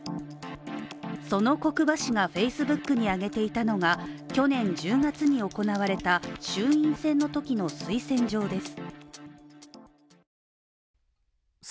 その國場氏がＦａｃｅｂｏｏｋに上げていたのが去年１０月に行われた衆院選のときの推薦状です。